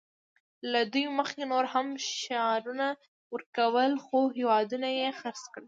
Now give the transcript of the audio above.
له دوی مخکې نورو هم شعارونه ورکول خو هېواد یې خرڅ کړ